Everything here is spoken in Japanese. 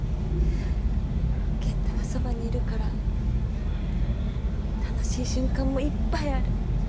健太がそばにいるから楽しい瞬間もいっぱいある。